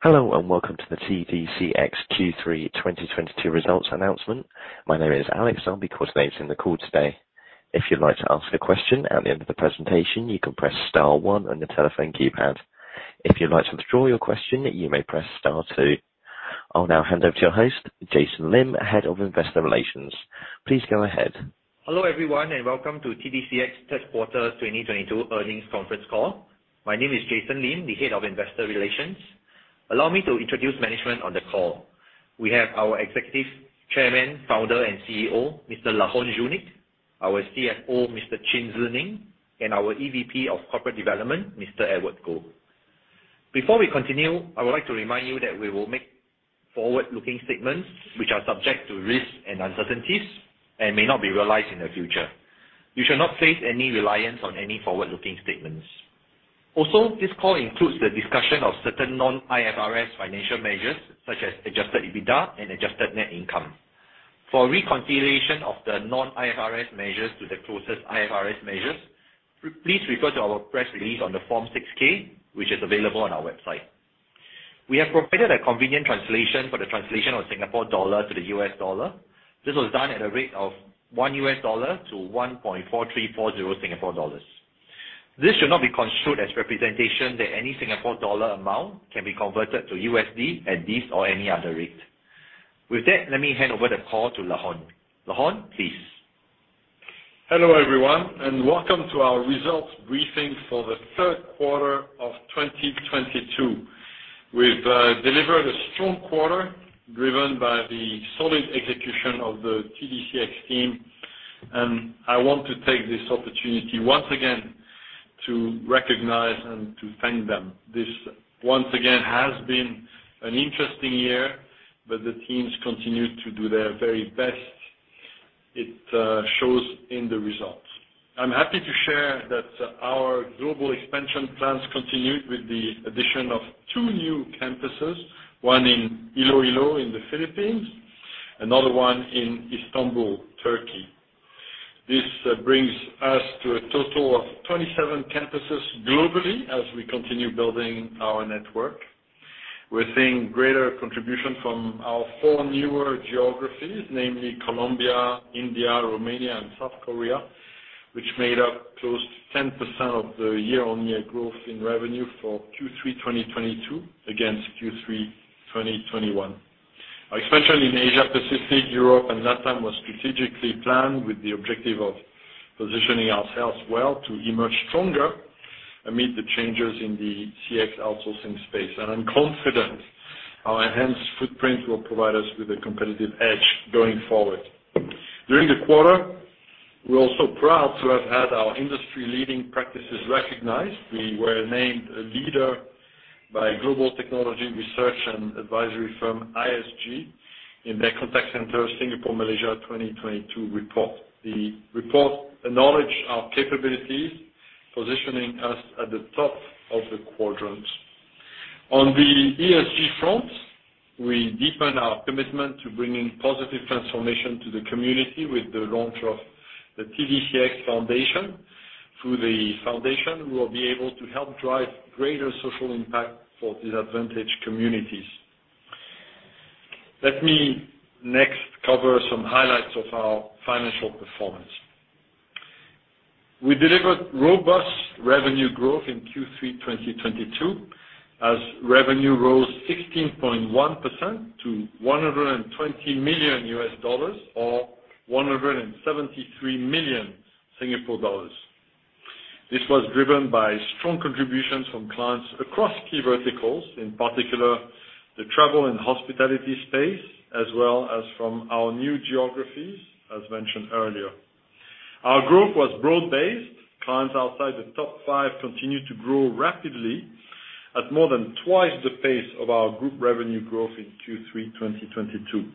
Hello, welcome to the TDCX Q3 2022 results announcement. My name is Alex. I'll be coordinating the call today. If you'd like to ask a question at the end of the presentation, you can press star one on your telephone keypad. If you'd like to withdraw your question, you may press star two. I'll now hand over to your host, Jason Lim, Head of Investor Relations. Please go ahead. Hello, everyone, welcome to TDCX third quarter 2022 earnings conference call. My name is Jason Lim, the Head of Investor Relations. Allow me to introduce management on the call. We have our Executive Chairman, Founder, and CEO, Mr. Laurent Junique, our CFO, Mr. Chin Tze Neng, and our EVP of Corporate Development, Mr. Edward Goh. Before we continue, I would like to remind you that we will make forward-looking statements which are subject to risks and uncertainties and may not be realized in the future. You should not place any reliance on any forward-looking statements. This call includes the discussion of certain non-IFRS financial measures, such as adjusted EBITDA and adjusted net income. For reconciliation of the non-IFRS measures to the closest IFRS measures, please refer to our press release on the Form 6-K, which is available on our website. We have provided a convenient translation for the translation of Singapore dollar to the US dollar. This was done at a rate of $1 to 1.4340 Singapore dollars. This should not be construed as representation that any Singapore dollar amount can be converted to USD at this or any other rate. With that, let me hand over the call to Laurent. Laurent, please. Hello, everyone, welcome to our results briefing for the third quarter of 2022. We've delivered a strong quarter driven by the solid execution of the TDCX team. I want to take this opportunity once again to recognize and to thank them. This once again has been an interesting year. The teams continue to do their very best. It shows in the results. I'm happy to share that our global expansion plans continued with the addition of two2 new campuses, one in Iloilo in the Philippines, another one in Istanbul, Turkey. This brings us to a total of 27 campuses globally as we continue building our network. We're seeing greater contribution from our four newer geographies, namely Colombia, India, Romania and South Korea, which made up close to 10% of the year-on-year growth in revenue for Q3 2022 against Q3 2021. Our expansion in Asia Pacific, Europe and LATAM was strategically planned with the objective of positioning ourselves well to emerge stronger amid the changes in the CX outsourcing space. I'm confident our enhanced footprint will provide us with a competitive edge going forward. During the quarter, we're also proud to have had our industry-leading practices recognized. We were named a leader by global technology research and advisory firm ISG in their contact center Singapore Malaysia 2022 report. The report acknowledged our capabilities, positioning us at the top of the quadrants. On the ESG front, we deepened our commitment to bringing positive transformation to the community with the launch of the TDCX Foundation. Through the foundation, we will be able to help drive greater social impact for disadvantaged communities. Let me next cover some highlights of our financial performance. We delivered robust revenue growth in Q3 2022 as revenue rose 16.1% to $120 million or 173 million Singapore dollars. This was driven by strong contributions from clients across key verticals, in particular the travel and hospitality space, as well as from our new geographies, as mentioned earlier. Our growth was broad-based. Clients outside the top five continued to grow rapidly at more than twice the pace of our group revenue growth in Q3 2022.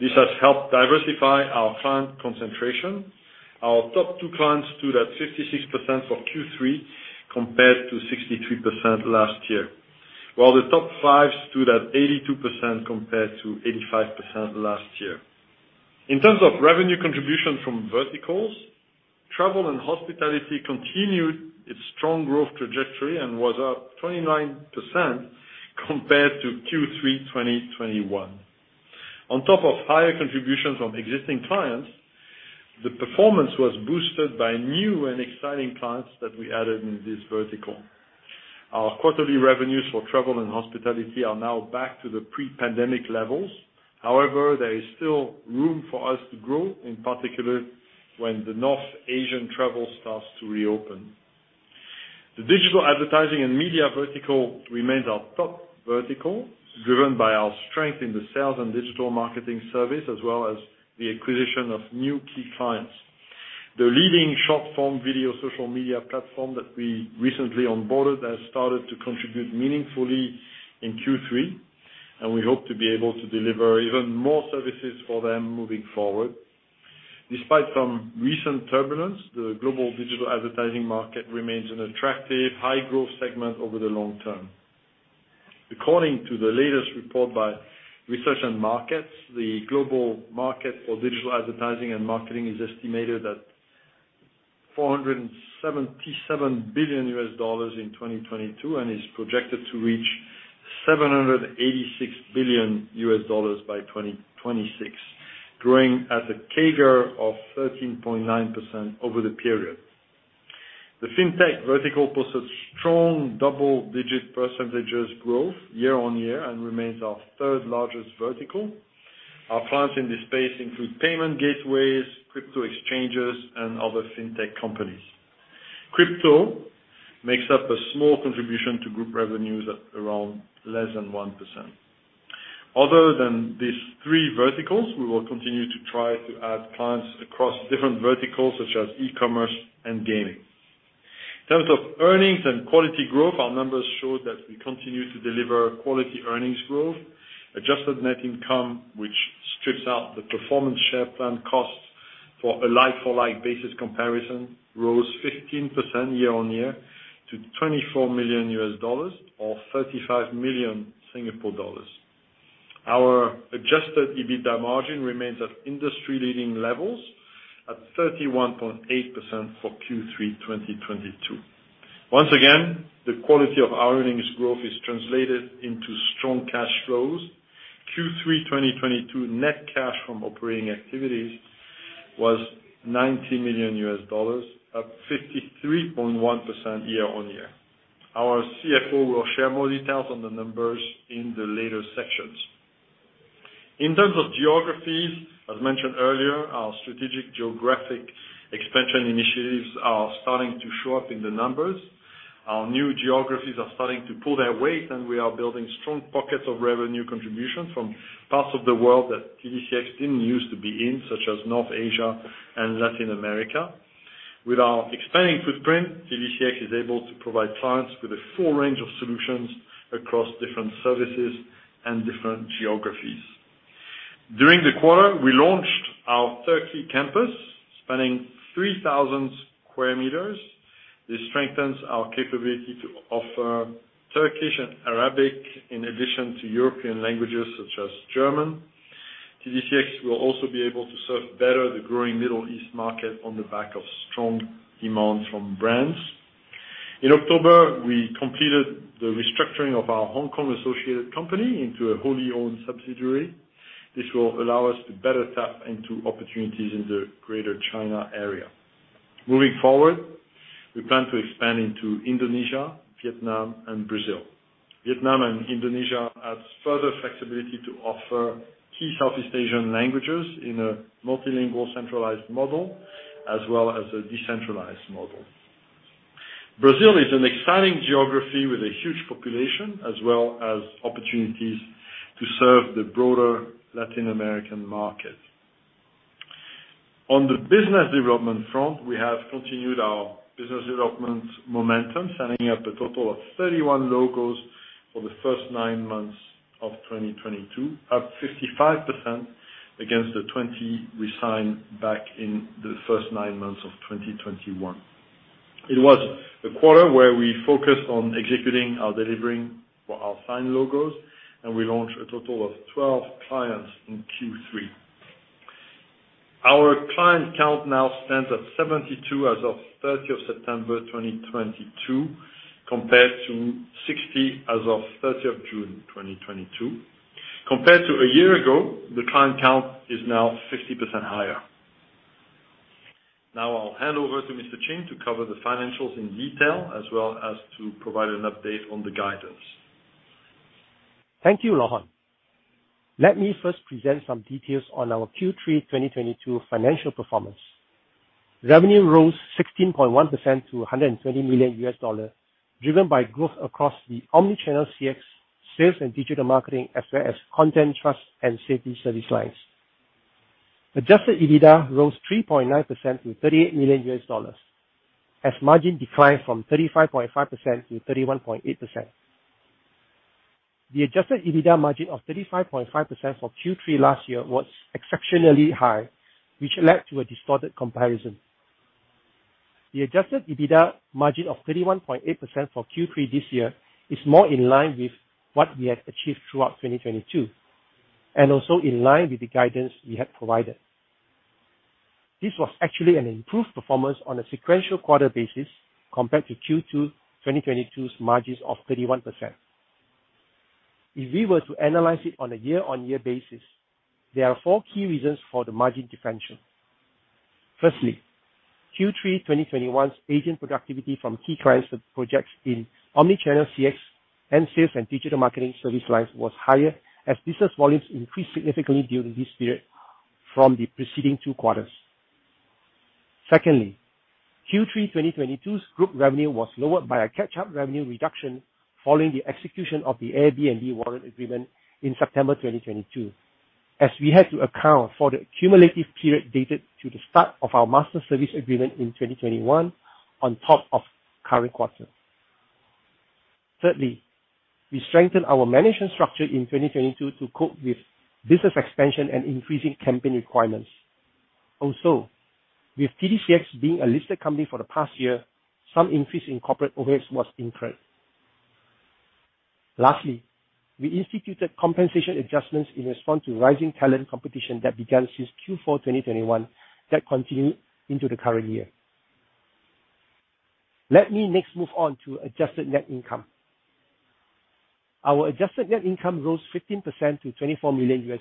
This has helped diversify our client concentration. Our toptwo clients stood at 56% for Q3 compared to 63% last year, while the top five stood at 82% compared to 85% last year. In terms of revenue contribution from verticals, travel and hospitality continued its strong growth trajectory and was up 29% compared to Q3 2021. On top of higher contributions from existing clients, the performance was boosted by new and exciting clients that we added in this vertical. Our quarterly revenues for travel and hospitality are now back to the pre-pandemic levels. However, there is still room for us to grow, in particular, when the North Asian travel starts to reopen. The digital advertising and media vertical remains our top vertical, driven by our strength in the sales and digital marketing service as well as the acquisition of new key clients. The leading short-form video social media platform that we recently onboarded has started to contribute meaningfully in Q3, and we hope to be able to deliver even more services for them moving forward. Despite some recent turbulence, the global digital advertising market remains an attractive high-growth segment over the long term. According to the latest report by Research and Markets, the global market for digital advertising and marketing is estimated at $477 billion in 2022 and is projected to reach $786 billion by 2026, growing at a CAGR of 13.9% over the period. The fintech vertical posts a strong double-digit % growth year-on-year and remains our third largest vertical. Our clients in this space include payment gateways, crypto exchanges, and other fintech companies. Crypto makes up a small contribution to group revenues at around less than 1%. Other than these three verticals, we will continue to try to add clients across different verticals such as e-commerce and gaming. In terms of earnings and quality growth, our numbers show that we continue to deliver quality earnings growth. Adjusted Net Income, which strips out the Performance Share Plan costs for a like-for-like basis comparison rose 15% year-on-year to $24 million or 35 million Singapore dollars. Our adjusted EBITDA margin remains at industry leading levels at 31.8% for Q3 2022. Once again, the quality of our earnings growth is translated into strong cash flows. Q3 2022 net cash from operating activities was $90 million, up 53.1% year-on-year. Our CFO will share more details on the numbers in the later sections. In terms of geographies, as mentioned earlier, our strategic geographic expansion initiatives are starting to show up in the numbers. Our new geographies are starting to pull their weight, and we are building strong pockets of revenue contributions from parts of the world that TDCX didn't use to be in, such as North Asia and Latin America. With our expanding footprint, TDCX is able to provide clients with a full range of solutions across different services and different geographies. During the quarter, we launched our Turkey campus, spanning 3,000 sq m. This strengthens our capability to offer Turkish and Arabic in addition to European languages such as German. TDCX will also be able to serve better the growing Middle East market on the back of strong demand from brands. In October, we completed the restructuring of our Hong Kong-associated company into a wholly owned subsidiary. This will allow us to better tap into opportunities in the Greater China area. Moving forward, we plan to expand into Indonesia, Vietnam, and Brazil. Vietnam and Indonesia adds further flexibility to offer key Southeast Asian languages in a multilingual centralized model as well as a decentralized model. Brazil is an exciting geography with a huge population as well as opportunities to serve the broader Latin American market. On the business development front, we have continued our business development momentum, signing up a total of 31 logos for the first nine months of 2022, up 55% against the 20 we signed back in the first nine months of 2021. It was the quarter where we focused on executing our delivering for our signed logos, and we launched a total of 12 clients in Q3. Our client count now stands at 72 as of 3rd of September 2022, compared to 60 as of 3rd of June 2022. Compared to a year ago, the client count is now 50% higher. I'll hand over to Mr. Chin to cover the financials in detail as well as to provide an update on the guidance. Thank you, Laurent. Let me first present some details on our Q3 2022 financial performance. Revenue rose 16.1% to $120 million, driven by growth across the omnichannel CX sales and digital marketing, as well as content trust and safety service lines. Adjusted EBITDA rose 3.9% to $38 million as margin declined from 35.5% to 31.8%. The adjusted EBITDA margin of 35.5% for Q3 last year was exceptionally high, which led to a distorted comparison. The adjusted EBITDA margin of 31.8% for Q3 this year is more in line with what we had achieved throughout 2022, and also in line with the guidance we had provided. This was actually an improved performance on a sequential quarter basis compared to Q2 2022's margins of 31%. If we were to analyze it on a year-on-year basis, there are four key reasons for the margin differential. Firstly, Q3 2021's agent productivity from key clients and projects in omnichannel CX and sales and digital marketing service lines was higher as business volumes increased significantly during this period from the preceding two quarters. Secondly, Q3 2022's group revenue was lowered by a catch-up revenue reduction following the execution of the Airbnb warrant agreement in September 2022, as we had to account for the cumulative period dated to the start of our master service agreement in 2021 on top of current quarter. Thirdly, we strengthened our management structure in 2022 to cope with business expansion and increasing campaign requirements. Also, with TDCX being a listed company for the past year, some increase in corporate overheads was incurred. Lastly, we instituted compensation adjustments in response to rising talent competition that began since Q4 2021 that continued into the current year. Let me next move on to adjusted net income. Our adjusted net income rose 15% to $24 million.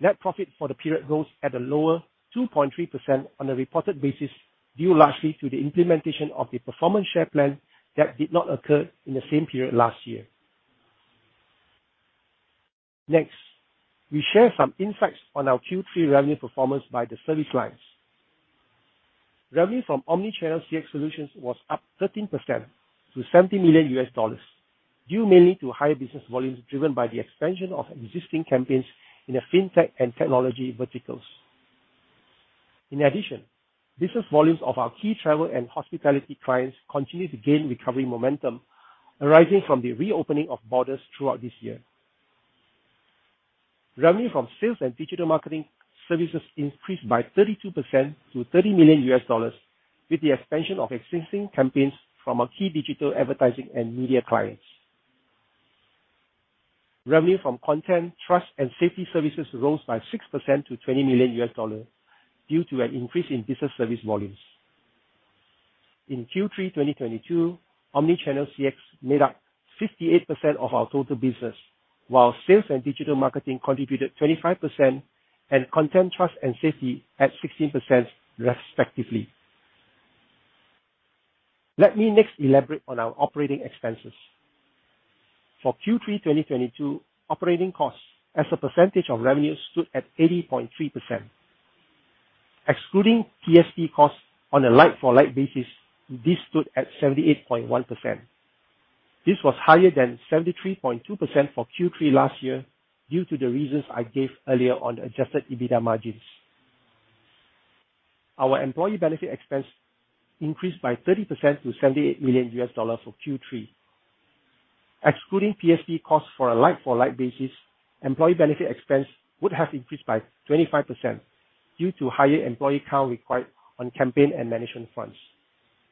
Net profit for the period rose at a lower 2.3% on a reported basis, due largely to the implementation of the Performance Share Plan that did not occur in the same period last year. Next, we share some insights on our Q3 revenue performance by the service lines. Revenue from omnichannel CX solutions was up 13% to $70 million, due mainly to higher business volumes driven by the expansion of existing campaigns in the fintech and technology verticals. In addition, business volumes of our key travel and hospitality clients continue to gain recovery momentum arising from the reopening of borders throughout this year. Revenue from sales and digital marketing services increased by 32% to $30 million with the expansion of existing campaigns from our key digital advertising and media clients. Revenue from content, trust, and safety services rose by 6% to $20 million due to an increase in business service volumes. In Q3 2022, omnichannel CX made up 58% of our total business, while sales and digital marketing contributed 25% and content, trust, and safety at 16% respectively. Let me next elaborate on our operating expenses. For Q3 2022, operating costs as a percentage of revenue stood at 80.3%. Excluding PSP costs on a like-for-like basis, this stood at 78.1%. This was higher than 73.2% for Q3 last year due to the reasons I gave earlier on adjusted EBITDA margins. Our employee benefit expense increased by 30% to $78 million for Q3. Excluding PSP costs for a like-for-like basis, employee benefit expense would have increased by 25% due to higher employee count required on campaign and management fronts,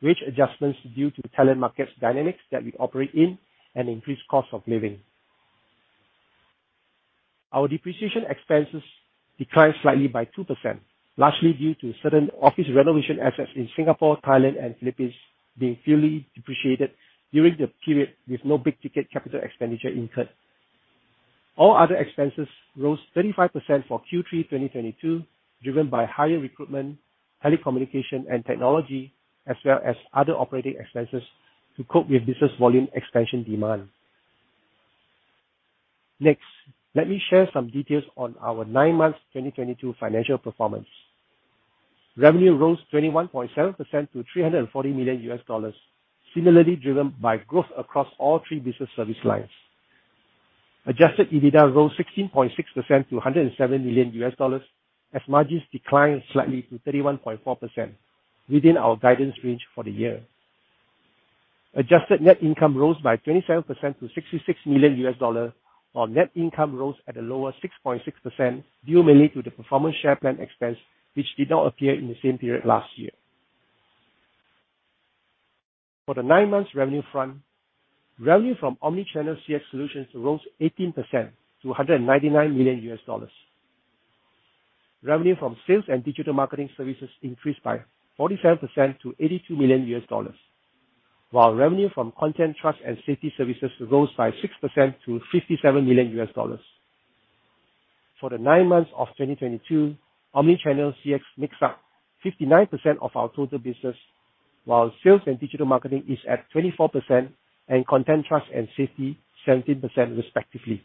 wage adjustments due to talent markets dynamics that we operate in, and increased cost of living. Our depreciation expenses declined slightly by 2%, largely due to certain office renovation assets in Singapore, Thailand, and Philippines being fully depreciated during the period with no big ticket capital expenditure incurred. All other expenses rose 35% for Q3 2022, driven by higher recruitment, telecommunication, and technology, as well as other operating expenses to cope with business volume expansion demand. Next, let me share some details on our nine months 2022 financial performance. Revenue rose 21.7% to $340 million, similarly driven by growth across all three business service lines. Adjusted EBITDA rose 16.6% to $107 million as margins declined slightly to 31.4% within our guidance range for the year. Adjusted Net Income rose by 27% to $66 million, while net income rose at a lower 6.6% due mainly to the Performance Share Plan expense which did not appear in the same period last year. For the nine months revenue front, revenue from omnichannel CX solutions rose 18% to $199 million. Revenue from sales and digital marketing services increased by 47% to $82 million, while revenue from content, trust, and safety services rose by 6% to $57 million. For the nine months of 2022, omnichannel CX makes up 59% of our total business, while sales and digital marketing is at 24% and content, trust, and safety 17% respectively.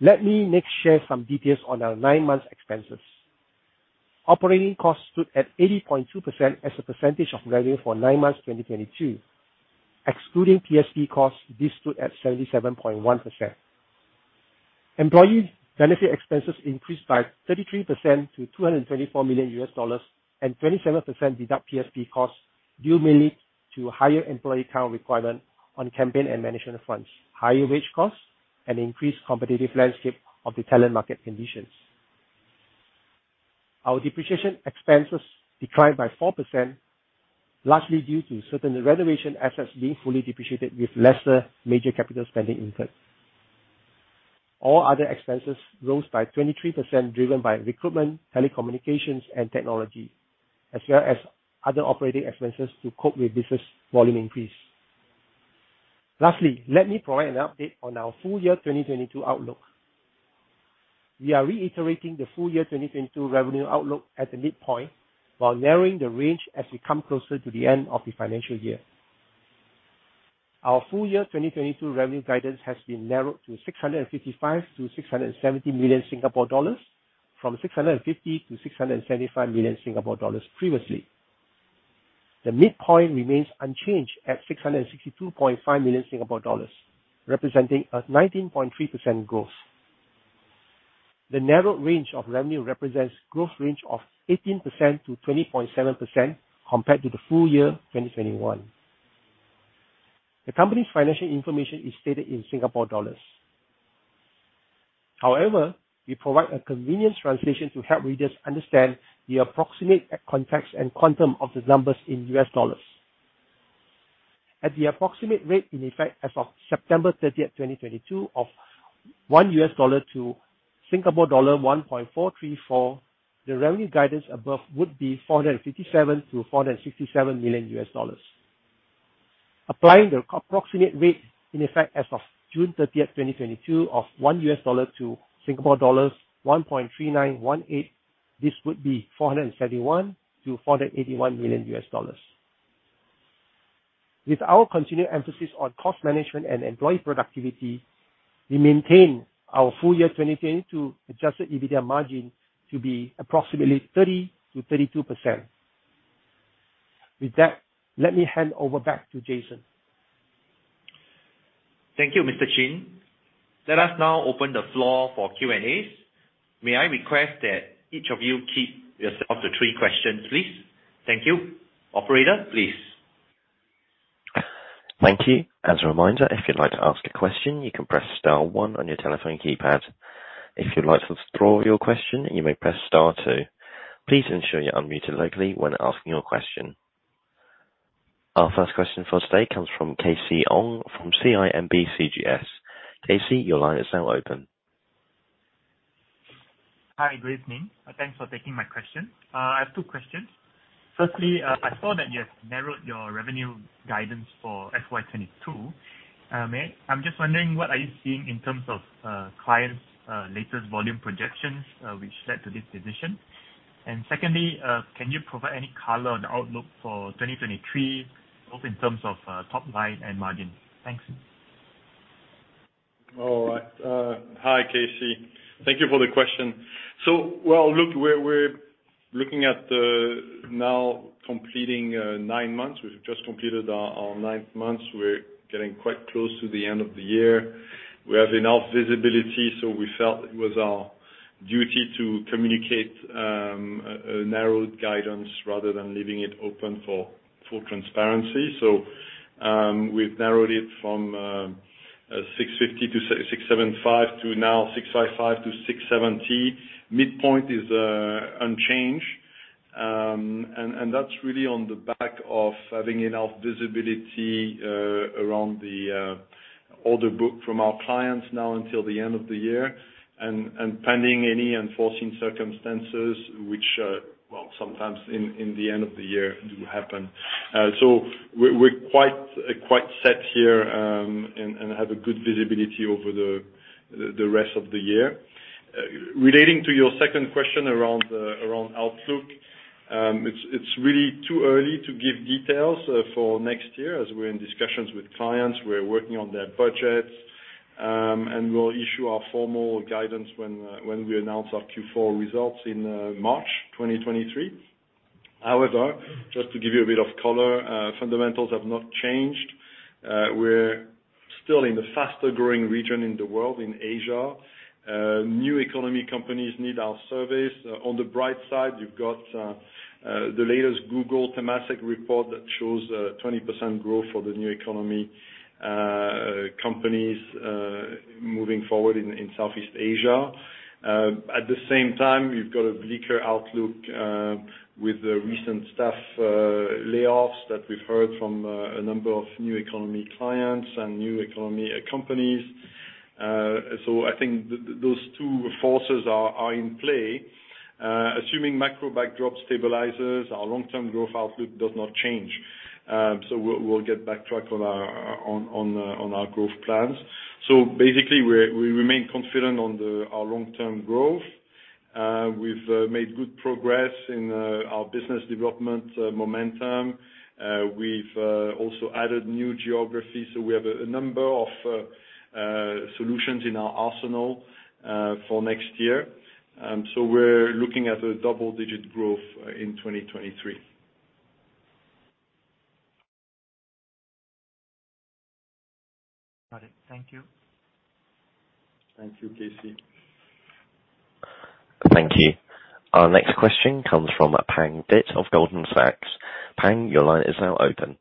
Let me next share some details on our nine months expenses. Operating costs stood at 80.2% as a percentage of revenue for nine months 2022. Excluding PSP costs, this stood at 77.1%. Employee benefit expenses increased by 33% to $224 million and 27% deduct PST costs due mainly to higher employee count requirement on campaign and management fronts, higher wage costs, and increased competitive landscape of the talent market conditions. Our depreciation expenses declined by 4%, largely due to certain renovation assets being fully depreciated with lesser major capital spending incurred. All other expenses rose by 23%, driven by recruitment, telecommunications, and technology, as well as other operating expenses to cope with business volume increase. Lastly, let me provide an update on our full year 2022 outlook. We are reiterating the full year 2022 revenue outlook at the midpoint while narrowing the range as we come closer to the end of the financial year. Our full year 2022 revenue guidance has been narrowed to 655 million-670 million Singapore dollars from 650 million-675 million Singapore dollars previously. The midpoint remains unchanged at 662.5 million Singapore dollars, representing a 19.3% growth. The narrowed range of revenue represents growth range of 18%-20.7% compared to the full year 2021. The company's financial information is stated in Singapore dollars. However, we provide a convenience translation to help readers understand the approximate context and quantum of the numbers in US dollars. At the approximate rate in effect as of September 30, 2022, of 1 US dollar to Singapore dollar 1.434, the revenue guidance above would be $457 million-$467 million. Applying the approximate rate in effect as of June 30, 2022, of 1 US dollar to Singapore dollars 1.3918, this would be $471 million-$481 million. With our continued emphasis on cost management and employee productivity, we maintain our full year 2022 adjusted EBITDA margin to be approximately 30%-32%. With that, let me hand over back to Jason. Thank you, Mr. Chin. Let us now open the floor for Q&As. May I request that each of you keep yourself to three questions, please. Thank you. Operator, please. Thank you. As a reminder, if you'd like to ask a question, you can press star one on your telephone keypad. If you'd like to withdraw your question, you may press star two. Please ensure you're unmuted locally when asking your question. Our first question for today comes from KC Ong, from CIMB-CGS. Casey, your line is now open. Hi. Good evening, and thanks for taking my question. I have two questions. Firstly, I saw that you have narrowed your revenue guidance for FY 2022. I'm just wondering, what are you seeing in terms of clients' latest volume projections, which led to this decision? Secondly, can you provide any color on the outlook for 2023, both in terms of top line and margin? Thanks. Hi, KC. Thank you for the question. Well, look, we're looking at now completing nine months. We've just completed our nine months. We're getting quite close to the end of the year. We have enough visibility. We felt it was our duty to communicate a narrowed guidance rather than leaving it open for full transparency. We've narrowed it from $650-$675 to now $655-$670. Midpoint is unchanged. That's really on the back of having enough visibility around the order book from our clients now until the end of the year and pending any unforeseen circumstances which, well, sometimes in the end of the year do happen. We're quite set here, and have a good visibility over the rest of the year. Relating to your second question around outlook, it's really too early to give details for next year as we're in discussions with clients. We're working on their budgets. We'll issue our formal guidance when we announce our Q4 results in March 2023. However, just to give you a bit of color, fundamentals have not changed. We're still in the faster-growing region in the world in Asia. New economy companies need our service. On the bright side, you've got the latest Google Temasek report that shows 20% growth for the new economy companies moving forward in Southeast Asia. At the same time, you've got a bleaker outlook, with the recent staff layoffs that we've heard from, a number of new economy clients and new economy companies. I think those two forces are in play. Assuming macro backdrop stabilizes, our long-term growth outlook does not change. We'll, we'll get back track on our growth plans. Basically, we remain confident on our long-term growth. We've, made good progress in, our business development, momentum. We've, also added new geographies, so we have a number of, solutions in our arsenal, for next year. We're looking at a double-digit growth, in 2023. Got it. Thank you. Thank you, KC. Thank you. Our next question comes from Pang Vitt of Goldman Sachs. Pang, your line is now open.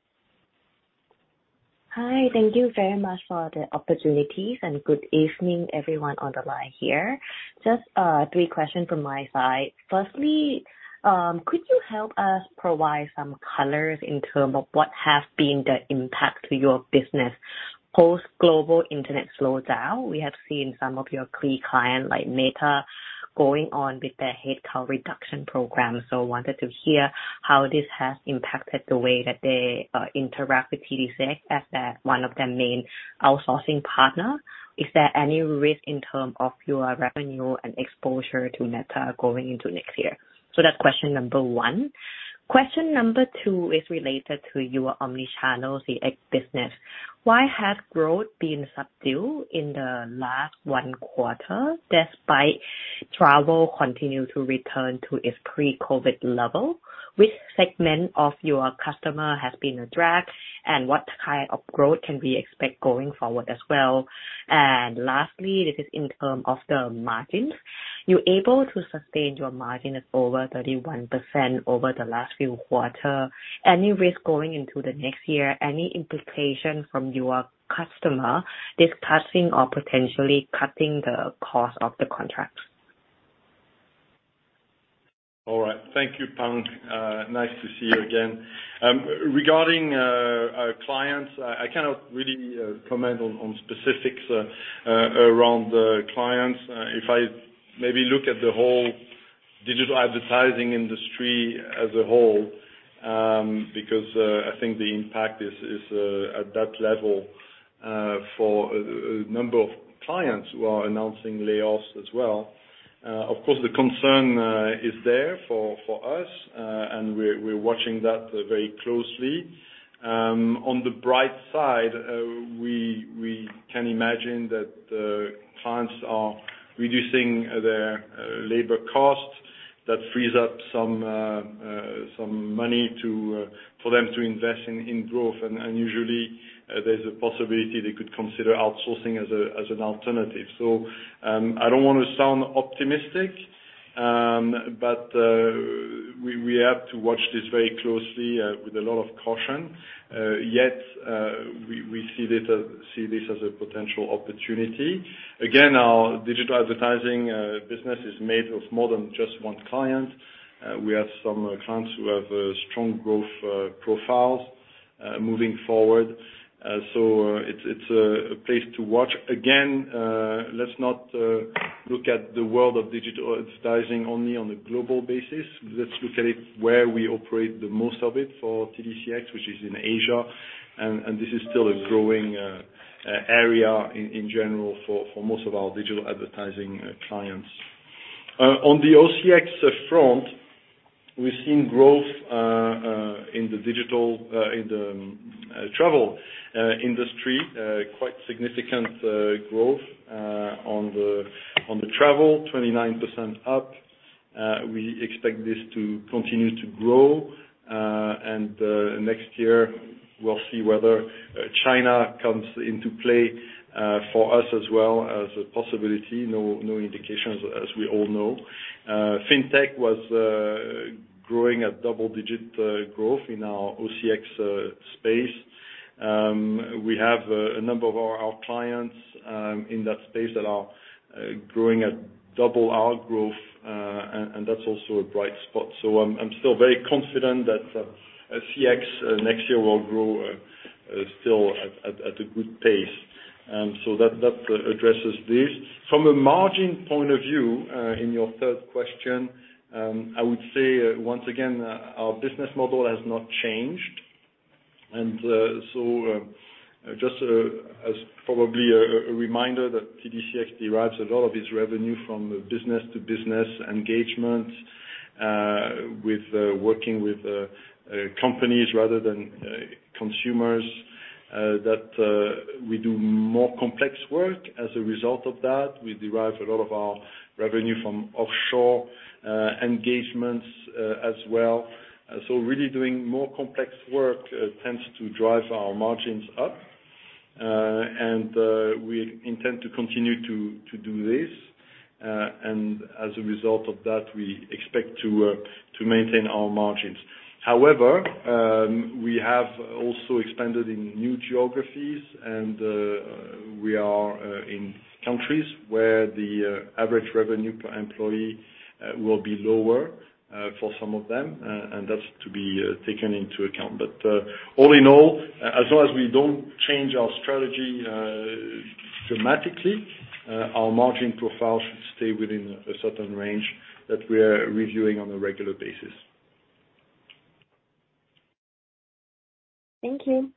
Hi. Thank you very much for the opportunities. Good evening, everyone on the line here. Just three questions from my side. Firstly, could you help us provide some colors in terms of what have been the impact to your business post-global internet slowdown? We have seen some of your key client, like Meta, going on with their headcount reduction program. Wanted to hear how this has impacted the way that they interact with TDCX as one of their main outsourcing partner. Is there any risk in terms of your revenue and exposure to Meta going into next year? That's question number one. Question number two is related to your omnichannel CX business. Why has growth been subdued in the last one quarter, despite travel continue to return to its pre-COVID level? Which segment of your customer has been a drag, and what kind of growth can we expect going forward as well? Lastly, this is in term of the margins. You're able to sustain your margin at over 31% over the last few quarter. Any risk going into the next year, any implication from your customer discussing or potentially cutting the cost of the contracts? All right. Thank you, Pang. Nice to see you again. Regarding our clients, I cannot really comment on specifics around the clients. If I maybe look at the whole digital advertising industry as a whole, because I think the impact is at that level for a number of clients who are announcing layoffs as well. Of course, the concern is there for us, and we're watching that very closely. On the bright side, we can imagine that clients are reducing their labor costs. That frees up some money for them to invest in growth. Unusually, there's a possibility they could consider outsourcing as an alternative. I don't wanna sound optimistic, but we have to watch this very closely with a lot of caution. Yet, we see this as a potential opportunity. Again, our digital advertising business is made of more than just one client. We have some clients who have strong growth profiles moving forward. So, it's a place to watch. Again, let's not look at the world of digital advertising only on a global basis. Let's look at it where we operate the most of it for TDCX, which is in Asia. This is still a growing area in general for most of our digital advertising clients. On the OCX front, we've seen growth in the travel industry, quite significant growth on the travel, 29% up. We expect this to continue to grow. Next year, we'll see whether China comes into play for us as well as a possibility. No, no indications, as we all know. fintech was growing at double-digit growth in our OCX space. We have a number of our clients in that space that are growing at double our growth, and that's also a bright spot. I'm still very confident that CX next year will grow still at a good pace. That addresses this. From a margin point of view, in your third question, I would say once again, our business model has not changed. Just as probably a reminder that TDCX derives a lot of its revenue from business-to-business engagement, with working with companies rather than consumers, that we do more complex work as a result of that. We derive a lot of our revenue from offshore engagements as well. Really doing more complex work tends to drive our margins up. We intend to continue to do this. As a result of that, we expect to maintain our margins. However, we have also expanded in new geographies, and we are in countries where the average revenue per employee will be lower for some of them. That's to be taken into account. But all in all, as long as we don't change our strategy dramatically, our margin profile should stable in a certain range that we are reviewing on a regular basis. Thank you.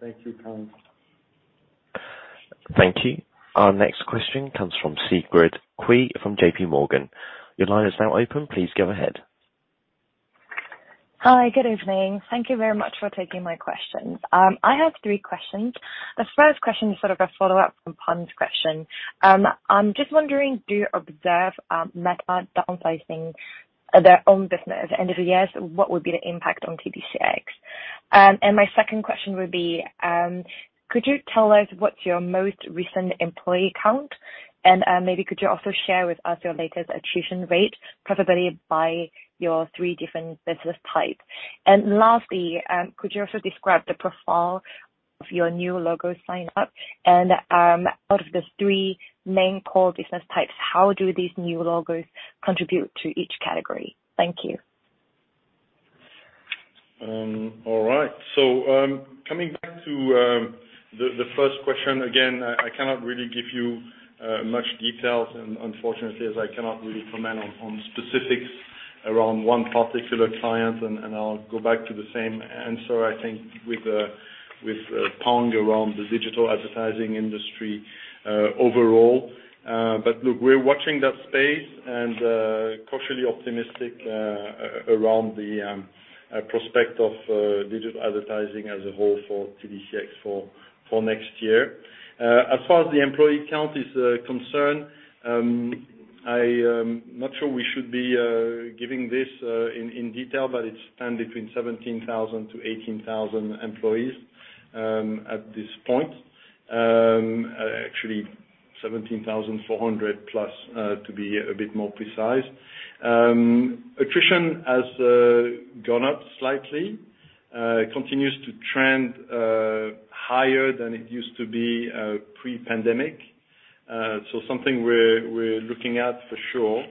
Thank you, Pang. Thank you. Our next question comes from Sigrid Qui from JPMorgan. Your line is now open. Please go ahead. Hi, good evening. Thank you very much for taking my questions. I have three questions. The first question is sort of a follow-up from Pang's question. I'm just wondering, do you observe Meta downsizing their own business? If yes, what would be the impact on TDCX? My second question would be, could you tell us what's your most recent employee count? Maybe could you also share with us your latest attrition rate, preferably by your three different business types? Lastly, could you also describe the profile of your new logo sign-up? Out of these three main core business types, how do these new logos contribute to each category? Thank you. All right. Coming to the first question, again, I cannot really give you much details, and unfortunately, as I cannot really comment on specifics around one particular client, and I'll go back to the same answer, I think, with Pang around the digital advertising industry overall. Look, we're watching that space and cautiously optimistic around the prospect of digital advertising as a whole for TDCX for next year. As far as the employee count is concerned, not sure we should be giving this in detail, but it's between 17,000-18,000 employees at this point. Actually 17,400+ to be a bit more precise. Attrition has gone up slightly, continues to trend higher than it used to be pre-pandemic. Something we're looking at for sure,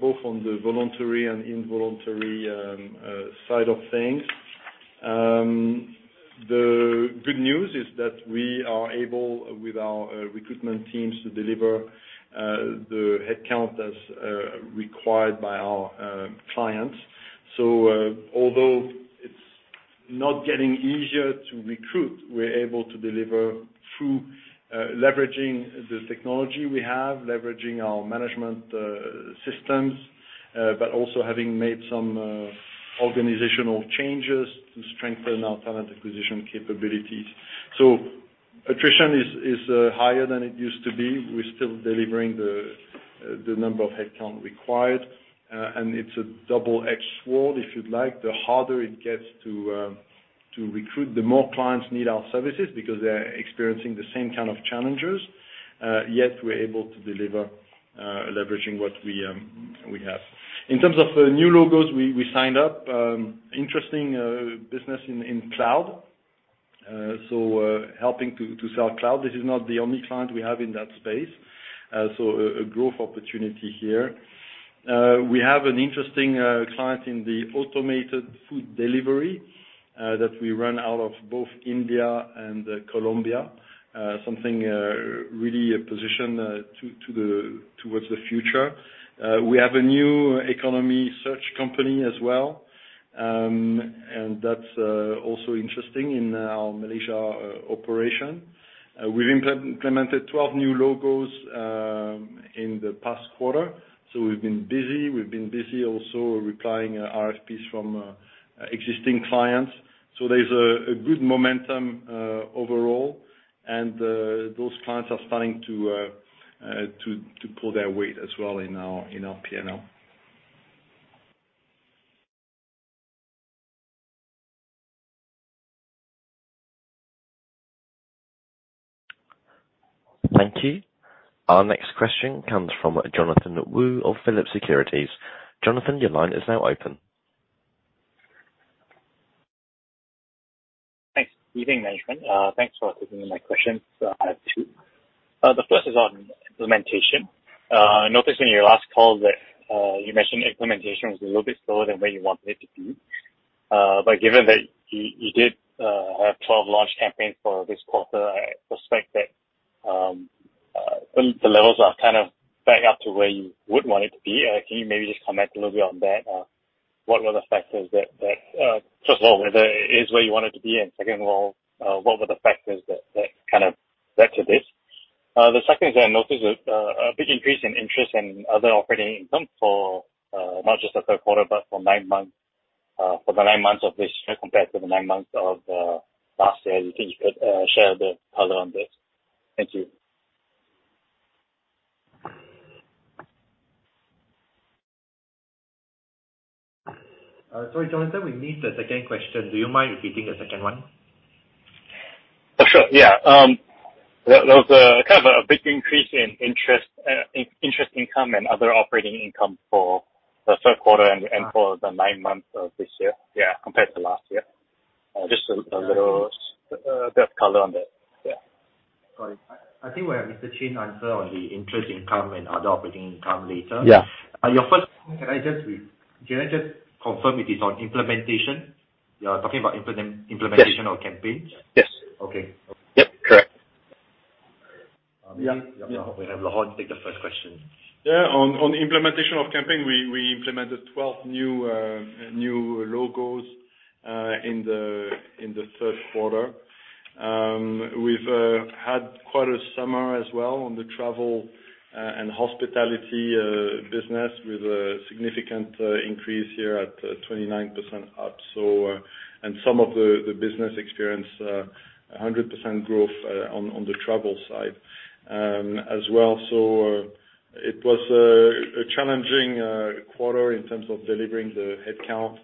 both on the voluntary and involuntary side of things. The good news is that we are able, with our recruitment teams, to deliver the headcounts as required by our clients. Although it's not getting easier to recruit, we're able to deliver through leveraging the technology we have, leveraging our management systems, but also having made some organizational changes to strengthen our talent acquisition capabilities. Attrition is higher than it used to be. We're still delivering the number of headcount required. It's a double-edged sword, if you'd like. The harder it gets to recruit, the more clients need our services because they're experiencing the same kind of challenges. Yet we're able to deliver, leveraging what we have. In terms of new logos we signed up interesting business in cloud. Helping to sell cloud. This is not the only client we have in that space. A growth opportunity here. We have an interesting client in the automated food delivery that we run out of both India and Colombia. Something really a position towards the future. We have a new economy search company as well. And that's also interesting in our Malaysia operation. We've implemented 12 new logos in the past quarter. We've been busy. We've been busy also replying RFP from existing clients. There's a good momentum overall. Those clients are starting to pull their weight as well in our, in our P&L. Thank you. Our next question comes from Jonathan Woo of Phillip Securities. Jonathan, your line is now open. Thanks. Evening, management. Thanks for taking my question. I have two. The first is on implementation. I noticed in your last call that, you mentioned implementation was a little bit slower than where you wanted it to be. Given that you did have 12 launch campaigns for this quarter, I suspect that the levels are kind of back up to where you would want it to be. Can you maybe just comment a little bit on that? What were the factors that... First of all, whether it is where you want it to be? Second of all, what were the factors that kind of led to this? The second is I noticed a big increase in interest and other operating income for not just the third quarter, but for nine months, for the nine months of this compared to the nine months of last year. Do you think you could share a bit color on this? Thank you. Sorry, Jonathan. We missed the second question. Do you mind repeating the second one? Sure. Yeah. There was a kind of a big increase in interest income and other operating income for the third quarter and for the nine months of this year, yeah, compared to last year. Just a little bit of color on that. Yeah. Got it. I think we'll have Mr. Chin answer on the interest income and other operating income later. Your first— can I just confirm it is on implementation? You are talking about implementation of campaigns? Yes. Okay. Yep. Correct. We have Laurent take the first question. Yeah. On the implementation of campaign, we implemented 12 new new logos in the third quarter. We've had quite a summer as well on the travel and hospitality business with a significant increase here at 29% up. Some of the business experience 100% growth on the travel side as well. It was a challenging quarter in terms of delivering the headcount,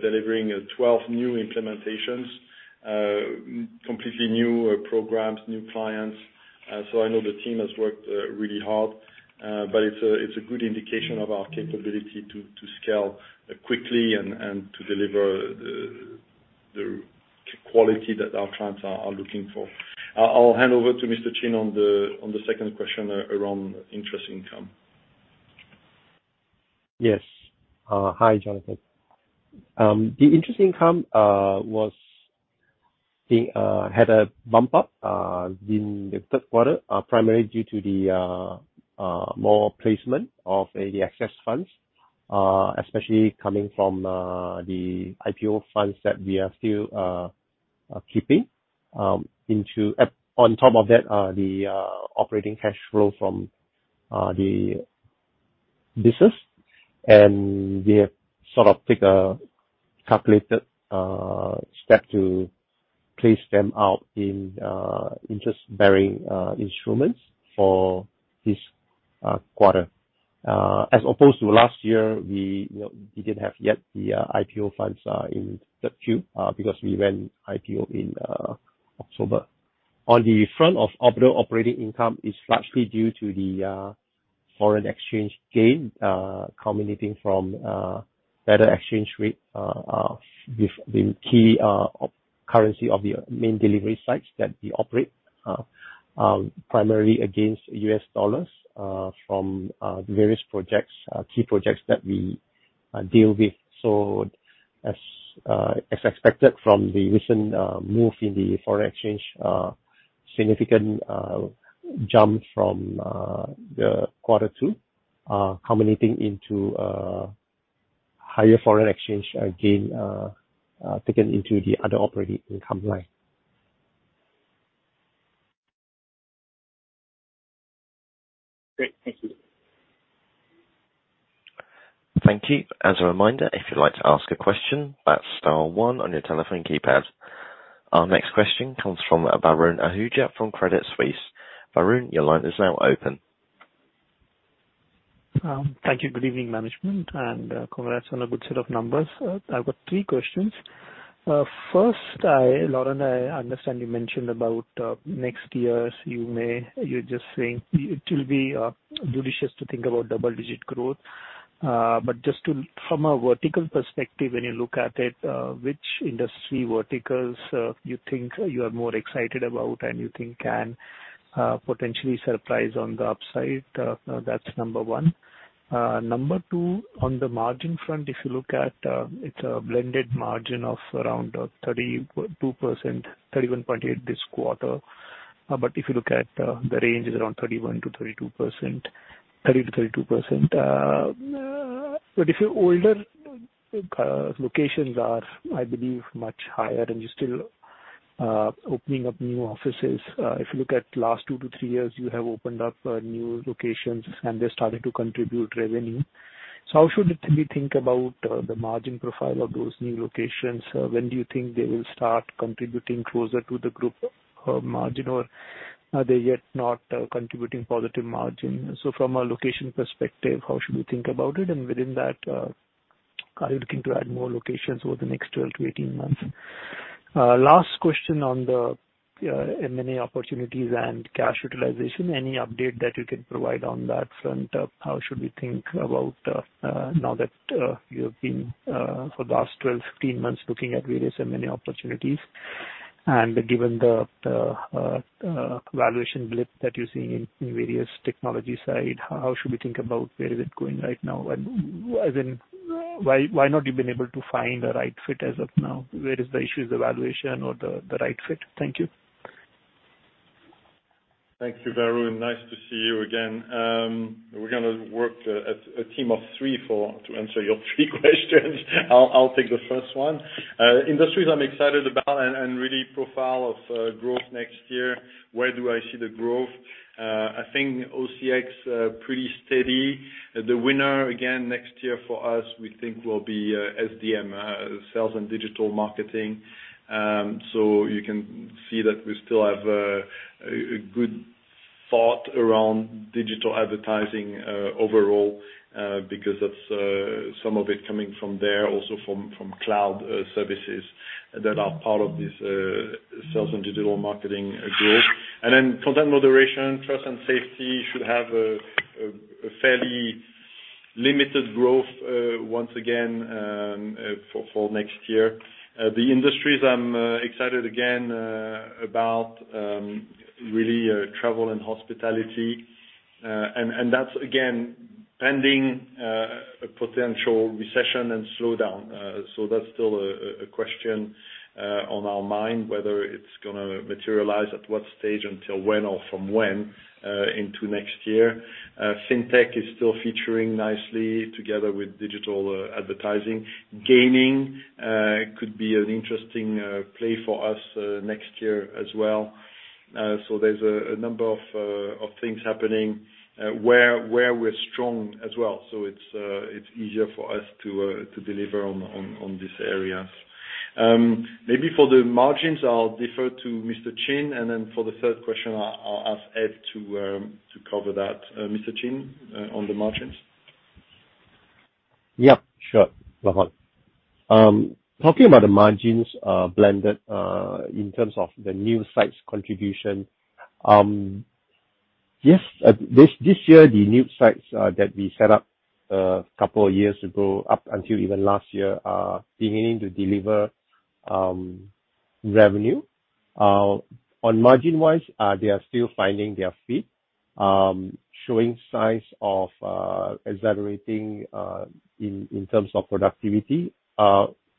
delivering 12 new implementations, completely new programs, new clients. I know the team has worked really hard, but it's a good indication of our capability to scale quickly and to deliver the quality that our clients are looking for. I'll hand over to Mr. Chin on the second question around interest income. Yes. Hi, Jonathan. The interest income was the had a bump up in the third quarter, primarily due to the more placement of ADX funds, especially coming from the IPO funds that we are still keeping. On top of that, the operating cash flow from the business. We have sort of take a calculated step to place them out in interest-bearing instruments for this quarter. As opposed to last year, we, you know, didn't have yet the IPO funds in the queue, because we ran IPO in October. On the front of operating income is largely due to the foreign exchange gain, culminating from better exchange rate with the key currency of the main delivery sites that we operate, primarily against US dollars, from various projects, key projects that we deal with. As expected from the recent move in the foreign exchange, significant jump from the quarter two, culminating into higher foreign exchange gain, taken into the other operating income line. Great. Thank you. Thank you. As a reminder, if you'd like to ask a question, that's star one on your telephone keypad. Our next question comes from Varun Ahuja from Credit Suisse. Varun, your line is now open. Thank you. Good evening, management. Congrats on a good set of numbers. I've got three questions. First, Laurent, I understand you mentioned about next year, you're just saying it will be judicious to think about double-digit growth. From a vertical perspective, when you look at it, which industry verticals you think you are more excited about and you think can potentially surprise on the upside? That's number one. Number two, on the margin front, if you look at, it's a blended margin of around 30.2%, 31.8% this quarter. If you look at, the range is around 31%-32%, 30%-32%. If your older locations are, I believe, much higher and you're still opening up new offices, if you look at last two-three years, you have opened up new locations and they're starting to contribute revenue. How should we think about the margin profile of those new locations? When do you think they will start contributing closer to the group margin or are they yet not contributing positive margin? From a location perspective, how should we think about it? Within that, are you looking to add more locations over the next 12-18 months? Last question on the, M&A opportunities and cash utilization. Any update that you can provide on that front? How should we think about now that you've been for the last 12, 15 months looking at various M&A opportunities? Given the valuation blip that you're seeing in various technology side, how should we think about where is it going right now? As in, why not you've been able to find the right fit as of now? Where is the issue, is it valuation or the right fit? Thank you. Thank you, Varun. Nice to see you again. We're gonna work as a team of three to answer your three questions. I'll take the first one. Industries I'm excited about and really profile of growth next year, where do I see the growth? I think OCX pretty steady. The winner again next year for us, we think will be SDM, sales and digital marketing. You can see that we still have a good thought around digital advertising overall because that's some of it coming from there, also from from cloud services that are part of this sales and digital marketing growth. Then content moderation, trust and safety should have a fairly limited growth once again for next year. The industries I'm excited again about really travel and hospitality. That's again, pending a potential recession and slowdown. That's still a question on our mind, whether it's gonna materialize, at what stage, until when or from when into next year. Fintech is still featuring nicely together with digital advertising. Gaming could be an interesting play for us next year as well. There's a number of things happening where we're strong as well. It's easier for us to deliver on these areas. Maybe for the margins, I'll defer to Mr. Chin. Then for the third question, I'll ask Ed to cover that. Mr. Chin, on the margins. Yeah, sure, Varun. Talking about the margins, blended, in terms of the new sites contribution, yes, this year, the new sites that we set up couple of years ago, up until even last year, are beginning to deliver revenue. On margin-wise, they are still finding their feet, showing signs of accelerating in terms of productivity.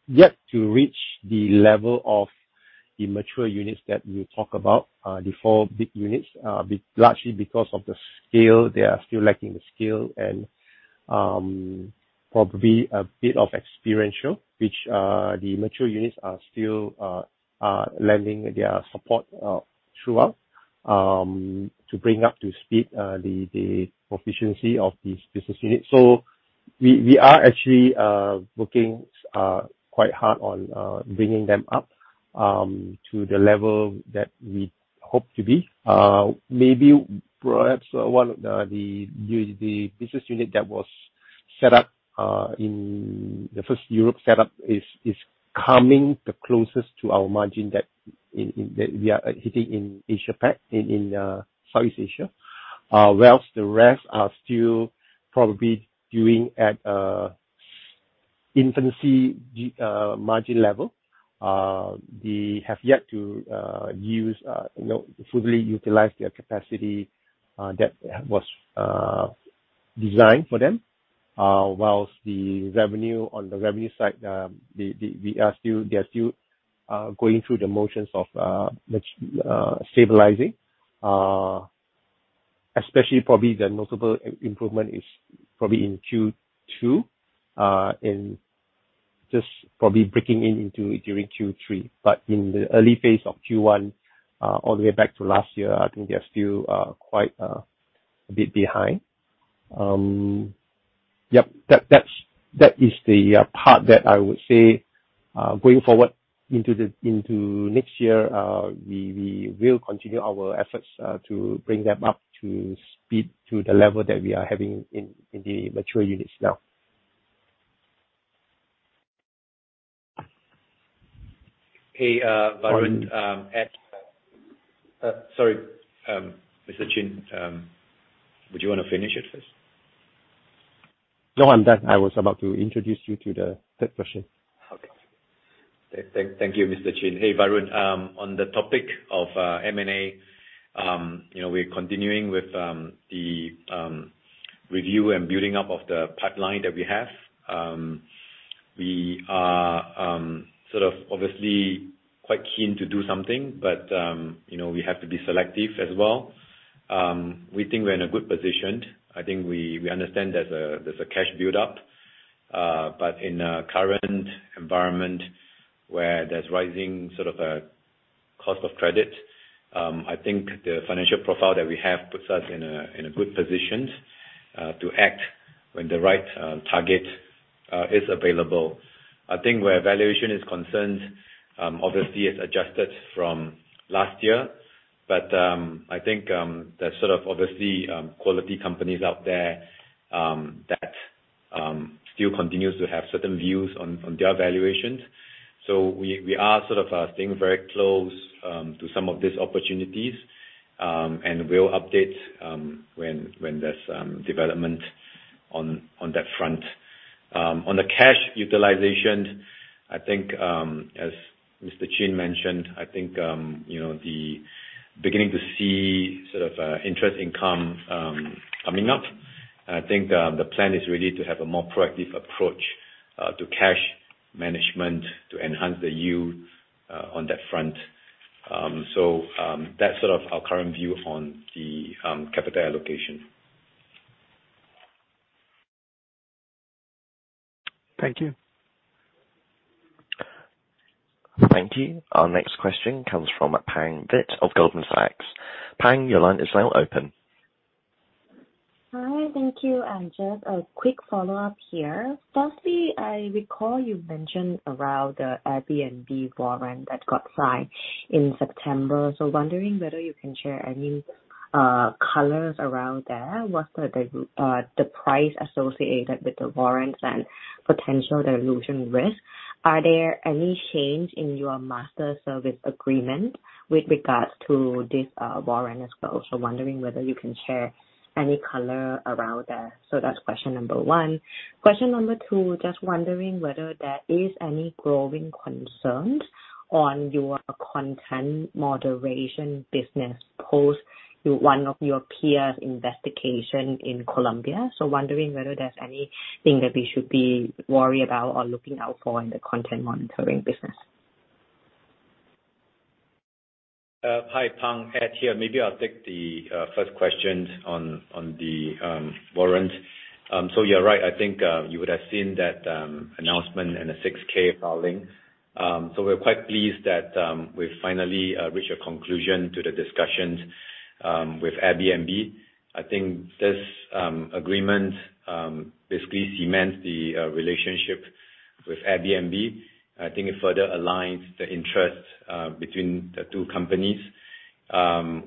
Yet to reach the level of the mature units that we talk about, the four big units, largely because of the scale. They are still lacking the scale and probably a bit of experiential, which the mature units are still lending their support throughout. To bring up to speed, the proficiency of these business units. We are actually working quite hard on bringing them up to the level that we hope to be. Maybe perhaps one of the business unit that was set up in the first Europe set up is coming the closest to our margin that we are hitting in Southeast Asia. Whilst the rest are still probably doing at infancy margin level. They have yet to use, you know, fully utilize their capacity that was designed for them. Whilst the revenue, on the revenue side, they are still going through the motions of let's— stabilizing, especially probably the notable improvement is probably in Q2, and just probably breaking during Q3. In the early phase of Q1, all the way back to last year, I think they are still quite a bit behind. Yep. That's the part that I would say, going forward into next year, we will continue our efforts to bring them up to speed to the level that we are having in the mature units now. Hey, Varun. Sorry, Mr. Chin, would you wanna finish it first? I'm done. I was about to introduce you to the third question. Okay. Thank you, Mr. Chin. Hey, Varun. On the topic of M&A, you know, we're continuing with the review and building up of the pipeline that we have. We are sort of obviously quite keen to do something, you know, we have to be selective as well. We think we're in a good position. I think we understand there's a cash build up, but in a current environment where there's rising sort of a cost of credit, I think the financial profile that we have puts us in a good position to act when the right target is available. I think where valuation is concerned, obviously it's adjusted from last year, but I think there's sort of obviously quality companies out there that still continues to have certain views on their valuations. We are sort of staying very close to some of these opportunities, and we'll update when there's development on that front. On the cash utilization, I think, as Mr. Chin mentioned, I think, you know, the beginning to see sort of interest income coming up. I think the plan is really to have a more proactive approach to cash management to enhance the yield on that front. That's sort of our current view on the capital allocation. Thank you. Thank you. Our next question comes from Pang Vitt of Goldman Sachs. Pang, your line is now open. Hi. Thank you. Just a quick follow-up here. Firstly, I recall you mentioned around the Airbnb warrant that got signed in September. Wondering whether you can share any colors around there. What are the price associated with the warrants and potential dilution risk? Are there any change in your master service agreement with regards to this warrant as well? Wondering whether you can share any color around there. That's question number one. Question number two, just wondering whether there is any growing concerns on your content moderation business, post one of your peers investigation in Colombia. Wondering whether there's anything that we should be worried about or looking out for in the content monitoring business. Hi, Pang. Ed here. Maybe I'll take the first questions on the warrant. You're right. I think you would have seen that announcement in the 6-K filing. We're quite pleased that we've finally reached a conclusion to the discussions with Airbnb. I think this agreement basically cements the relationship with Airbnb. I think it further aligns the interest between the two companies,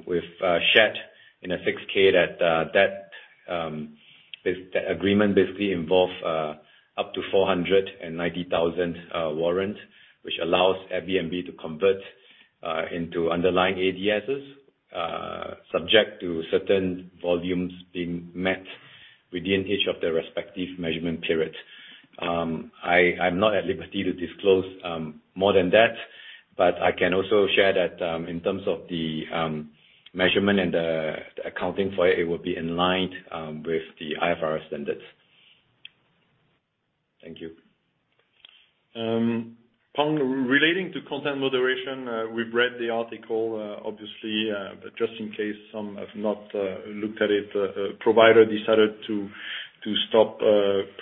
with shared in a 6-K that the agreement basically involve up to 490,000 warrant, which allows Airbnb to convert into underlying ADSs, subject to certain volumes being met within each of their respective measurement periods. I'm not at liberty to disclose more than that, but I can also share that, in terms of the measurement and the accounting for it will be in line with the IFRS standards. Thank you. Pang, relating to content moderation, we've read the article, obviously, but just in case some have not looked at it, a provider decided to stop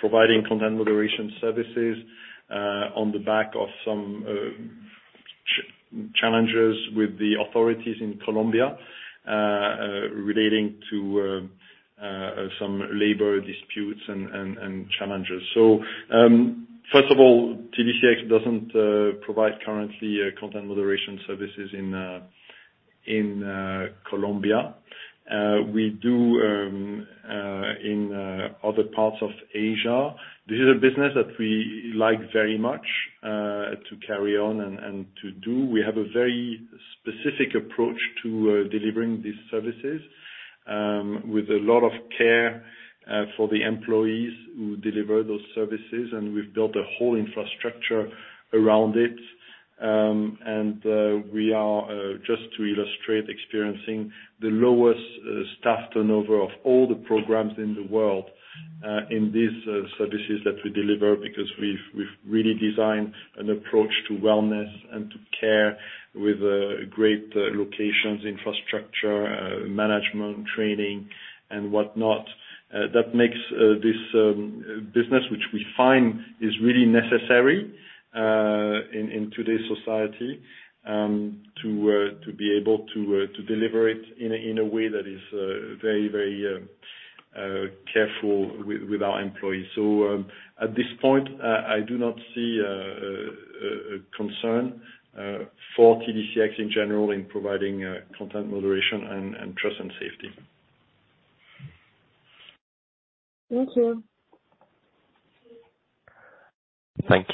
providing content moderation services on the back of some challenges with the authorities in Colombia, relating to some labor disputes and challenges. First of all, TDCX doesn't provide currently content moderation services in Colombia. We do in other parts of Asia. This is a business that we like very much to carry on and to do. We have a very specific approach to delivering these services with a lot of care for the employees who deliver those services. We've built a whole infrastructure around it. We are, just to illustrate, experiencing the lowest staff turnover of all the programs in the world in these services that we deliver, because we've really designed an approach to wellness and to care with great locations, infrastructure, management, training and whatnot. That makes this business, which we find is really necessary in today's society, to be able to deliver it in a way that is very, very careful with our employees. At this point, I do not see a concern for TDCX in general in providing content moderation and trust and safety. Thank you. Thank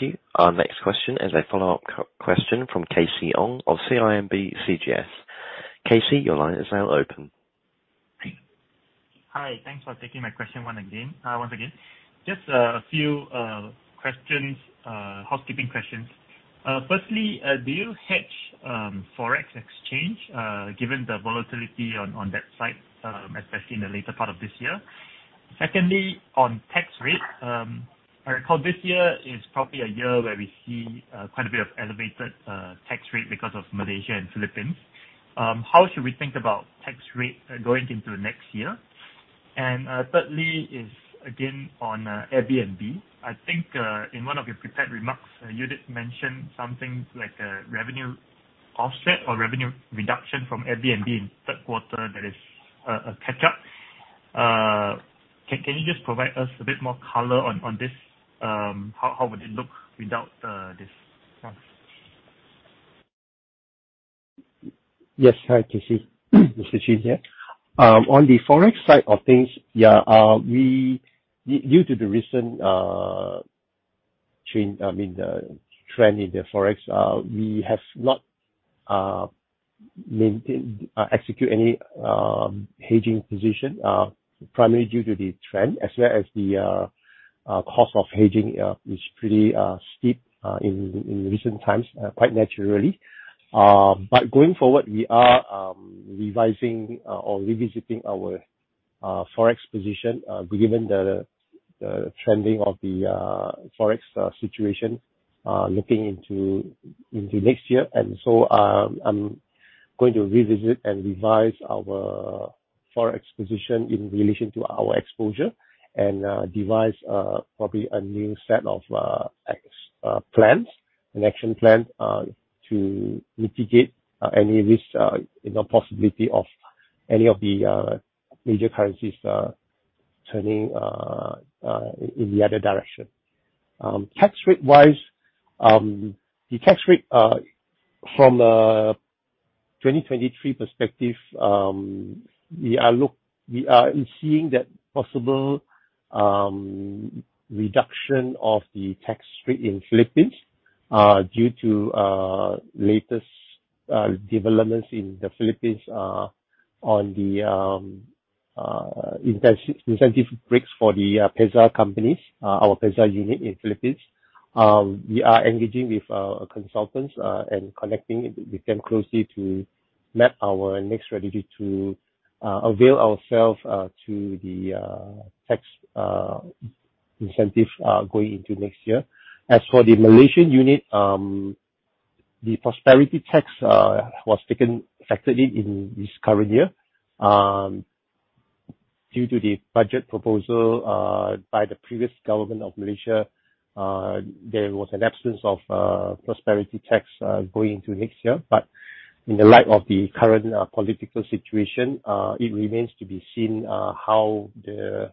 you. Our next question is a follow-up question from KC Ong of CIMB-CGS. Casey, your line is now open. Hi. Thanks for taking my question one again, once again. Just a few questions, housekeeping questions. Firstly, do you hedge forex exchange, given the volatility on that site, especially in the later part of this year? Secondly, on tax rate, I recall this year is probably a year where we see quite a bit of elevated tax rate because of Malaysia and Philippines. How should we think about tax rate going into next year? Thirdly is again, on Airbnb. I think, in one of your prepared remarks, you did mention something like a revenue offset or revenue reduction from Airbnb in third quarter that is a catch up. Can you just provide us a bit more color on this? How would it look without this one? Yes. Hi, Casey. Mr. Chin here. On the forex side of things, due to the recent trend, I mean, trend in the forex, we have not maintained execute any hedging position, primarily due to the trend as well as the cost of hedging is pretty steep in recent times, quite naturally. Going forward we are revising or revisiting our forex position, given the trending of the forex situation, looking into next year. I am going to revisit and revise our forex position in relation to our exposure and devise probably a new set of plans and action plan to mitigate any risk, you know, possibility of any of the major currencies turning in the other direction. Tax rate-wise, the tax rate from 2023 perspective, we are seeing that possible reduction of the tax rate in Philippines due to latest developments in the Philippines on the incentive breaks for the PEZA companies, our PEZA unit in Philippines. We are engaging with consultants and connecting with them closely to map our next strategy to avail ourself to the tax incentive going into next year. As for the Malaysian unit, the Prosperity Tax was taken effectively in this current year. Due to the budget proposal by the previous government of Malaysia, there was an absence of Prosperity Tax going into next year. In the light of the current political situation, it remains to be seen how the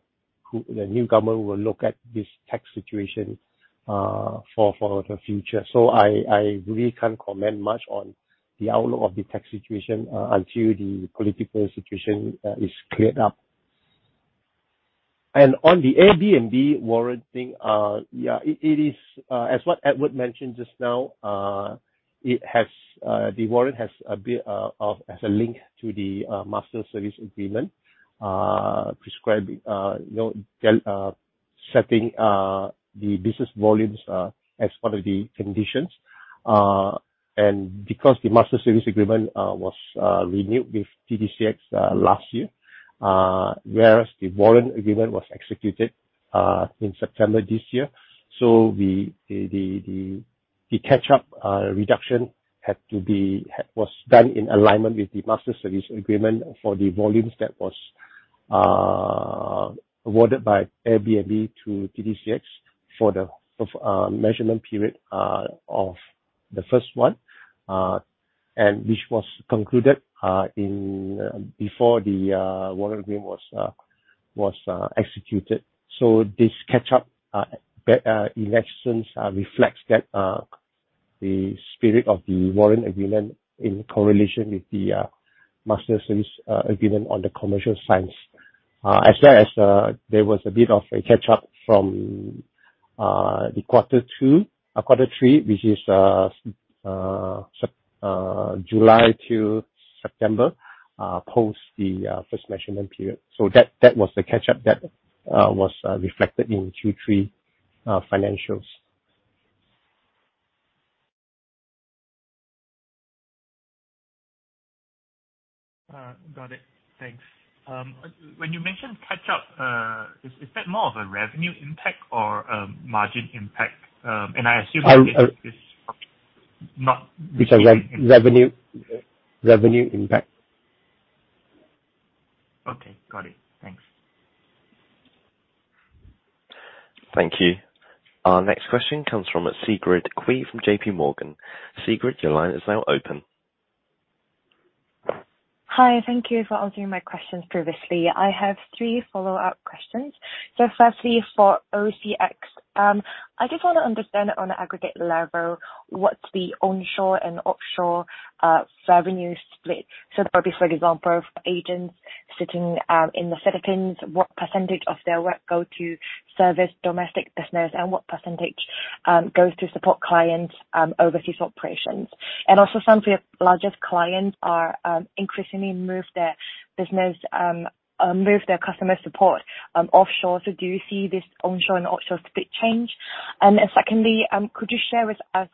new government will look at this tax situation for the future. I really can't comment much on the outlook of the tax situation until the political situation is cleared up. On the Airbnb warrant thing, it is as what Edward mentioned just now, it has the warrant has a bit of as a link to the master service agreement, prescribing, setting the business volumes as part of the conditions. Because the master service agreement was renewed with TDCX last year, whereas the warrant agreement was executed in September this year. So the catch up reduction was done in alignment with the master service agreement for the volumes that was awarded by Airbnb to TDCX for the measurement period of the first one, and which was concluded in before the warrant agreement was executed. This catch up in essence reflects that the spirit of the warrant agreement in correlation with the master service agreement on the commercial signs. As well as there was a bit of a catch-up from the quarter two or quarter three, which is July till September, post the first measurement period. That was the catch-up that was reflected in Q3 financials. Got it. Thanks. When you mentioned catch up, is that more of a revenue impact or a margin impact? I assume It's a revenue impact. Okay. Got it. Thanks. Thank you. Our next question comes from Sigrid Qui from JPMorgan. Sigrid, your line is now open. Hi. Thank you for answering my questions previously. I have three follow-up questions. Firstly, for OCX, I just wanna understand on an aggregate level, what's the onshore and offshore revenue split. That would be, for example, agents sitting in the Philippines, what percentage of their work go to service domestic business and what percentage goes to support clients overseas operations? Also some of your largest clients are increasingly move their business, move their customer support offshore. Do you see this onshore and offshore split change? Secondly, could you share with us,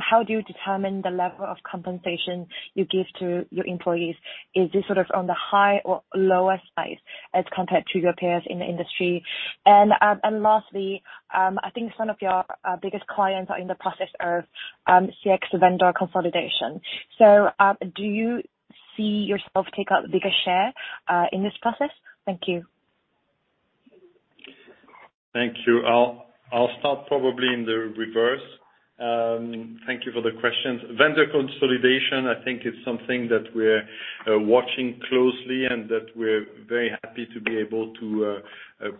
how do you determine the level of compensation you give to your employees? Is this sort of on the high or lower side as compared to your peers in the industry? Lastly, I think some of your biggest clients are in the process of CX vendor consolidation. Do you see yourself take a bigger share in this process? Thank you. Thank you. I'll start probably in the reverse. Thank you for the questions. Vendor consolidation, I think is something that we're watching closely and that we're very happy to be able to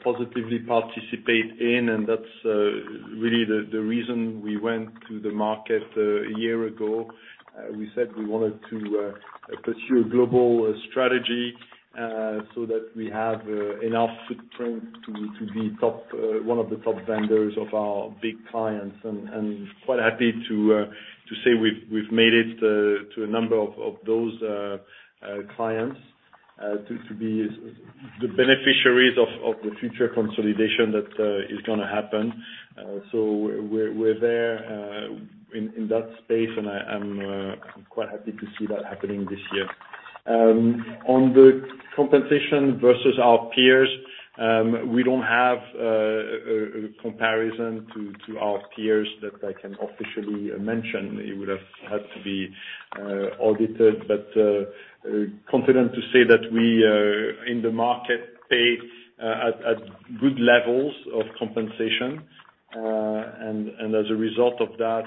positively participate in. That's really the reason we went to the market a year ago. We said we wanted to pursue a global strategy so that we have enough footprint to be one of the top vendors of our big clients, and quite happy to say we've made it to a number of those clients to be the beneficiaries of the future consolidation that is gonna happen. We're there in that space, and I'm quite happy to see that happening this year. On the compensation versus our peers, we don't have a comparison to our peers that I can officially mention. It would have had to be audited, but confident to say that we in the market pay at good levels of compensation. As a result of that,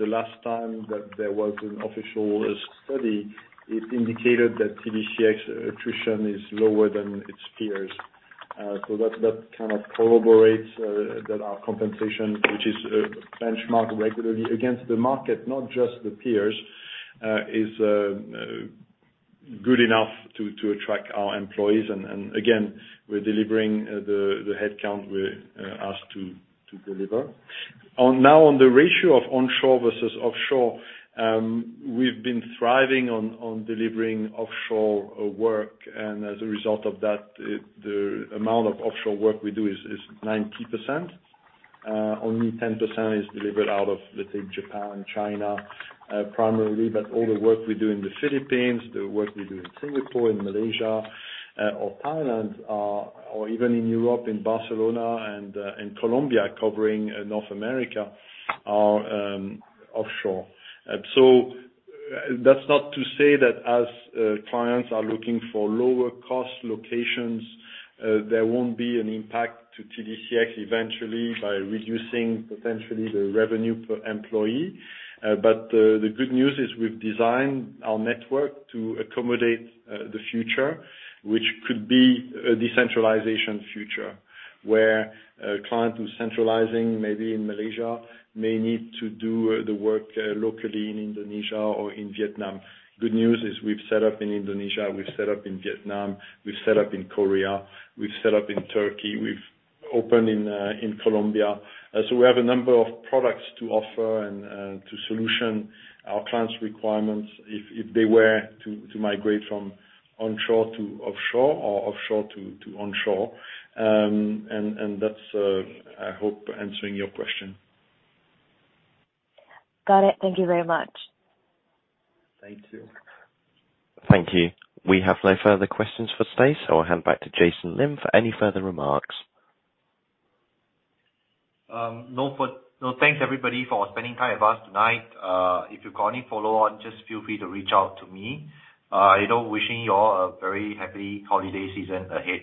the last time that there was an official study, it indicated that TDCX attrition is lower than its peers. That kind of corroborates that our compensation, which is benchmarked regularly against the market, not just the peers, is good enough to attract our employees. Again, we're delivering the headcount we're asked to deliver. On the ratio of onshore versus offshore, we've been thriving on delivering offshore work, and as a result of that, the amount of offshore work we do is 90%. Only 10% is delivered out of, let's say, Japan and China, primarily. All the work we do in the Philippines, the work we do in Singapore and Malaysia, or Thailand, or even in Europe, in Barcelona and in Colombia covering North America are offshore. That's not to say that as clients are looking for lower cost locations, there won't be an impact to TDCX eventually by reducing potentially the revenue per employee. The good news is we've designed our network to accommodate the future, which could be a decentralization future, where a client who's centralizing, maybe in Malaysia may need to do the work locally in Indonesia or in Vietnam. Good news is we've set up in Indonesia, we've set up in Vietnam, we've set up in Korea, we've set up in Turkey, we've opened in Colombia. We have a number of products to offer and to solution our clients' requirements if they were to migrate from onshore to offshore or offshore to onshore. That I hope answers your question. Got it. Thank you very much. Thank you. Thank you. We have no further questions for today. I'll hand back to Jason Lim for any further remarks. Thanks everybody for spending time with us tonight. If you've got any follow on, just feel free to reach out to me. Wishing you all a very happy holiday season ahead.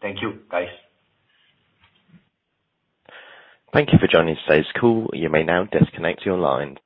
Thank you, guys. Thank you for joining today's call. You may now disconnect your line.